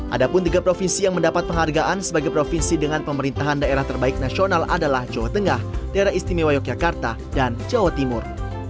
ada pun tiga provinsi yang mendapat penghargaan sebagai provinsi dengan pemerintahan daerah terbaik nasional adalah jawa tengah daerah istimewa yogyakarta dan jawa timur